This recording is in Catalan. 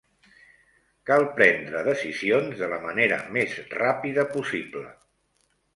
Cal prendre decisions de la manera més ràpida possible.